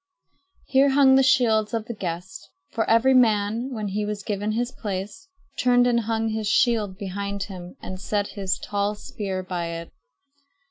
Here hung the shields of the guests; for every man, when he was given his place, turned and hung his shield behind him and set his tall spear by it.